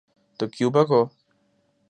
تو کیوبا کو۔